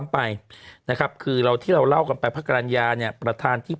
ไปนะครับคือเราที่เราเล่ากันไปพระกรรณญาเนี่ยประธานที่